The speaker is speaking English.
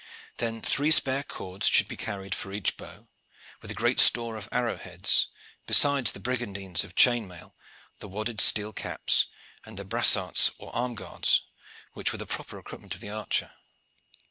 Then three spare cords should be carried for each bow, with a great store of arrow heads, besides the brigandines of chain mail, the wadded steel caps, and the brassarts or arm guards, which were the proper equipment of the archer.